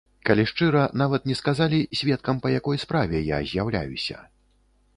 Калі шчыра, нават не сказалі, сведкам па якой справе я з'яўляюся.